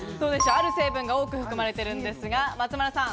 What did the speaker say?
ある成分が多く含まれているんですが、松丸さん。